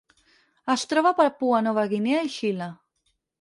Es troba a Papua Nova Guinea i Xile.